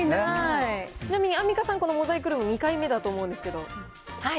ちなみにアンミカさん、このモザイクルーム、２回目だと思うはい。